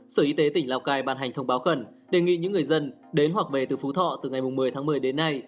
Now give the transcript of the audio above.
sở y tế tỉnh lào cai ban hành thông báo khẩn đề nghị những người dân đến hoặc về từ phú thọ từ ngày một mươi tháng một mươi đến nay